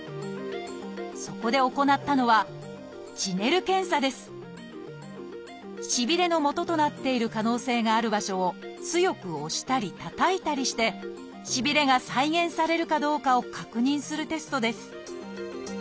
そこで行ったのはしびれのもととなっている可能性がある場所を強く押したりたたいたりしてしびれが再現されるかどうかを確認するテストです